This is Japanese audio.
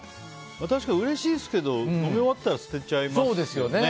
確かにうれしいですけど飲み終わったら捨てちゃいますね。